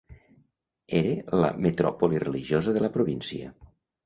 Era la metròpoli religiosa de la província.